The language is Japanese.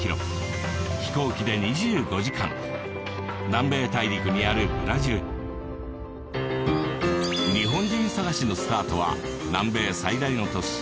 南米大陸にあるブラジル日本人探しのスタートは南米最大の都市